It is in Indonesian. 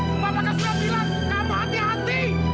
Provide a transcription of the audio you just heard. bapak kan sudah bilang kamu hati hati